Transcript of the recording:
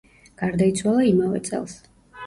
გარდაიცვალა იმავე წელს.